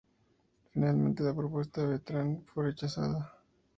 Finalmente, la propuesta de Bertran fue rechazada.